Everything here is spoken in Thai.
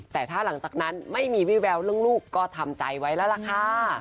แต่ถ้าหลังจากนั้นไม่มีวิแววเรื่องลูกก็ทำใจไว้แล้วล่ะค่ะ